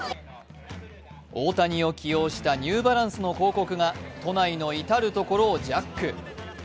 大谷を起用したニューバランスの広告が都内の至る所をジャック！